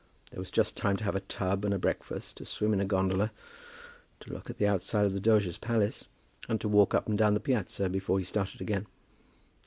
There was just time to have a tub and a breakfast, to swim in a gondola, to look at the outside of the Doge's palace, and to walk up and down the piazza before he started again.